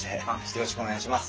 よろしくお願いします。